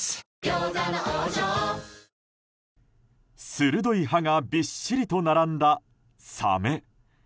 鋭い歯がびっしりと並んだサメ。